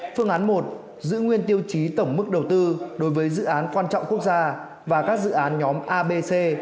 phương án một giữ nguyên tiêu chí tổng mức đầu tư đối với dự án quan trọng quốc gia và các dự án nhóm abc